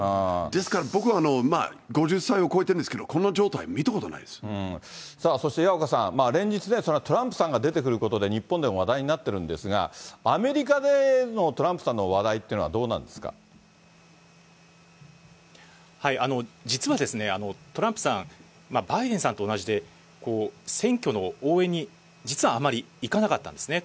ですから、僕は、５０歳を超えてるんですけど、この状態、見たこさあ、そして矢岡さん、連日ね、トランプさんが出てくることで、日本でも話題になってるんですが、アメリカでのトランプさんの話題っていうのはどうなんです実はですね、トランプさん、バイデンさんと同じで、選挙の応援に実はあまり行かなかったんですね。